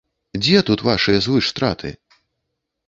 Дзе тут вашыя звышстраты?